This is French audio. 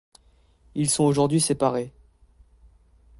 Ils sont aujourd'hui séparés.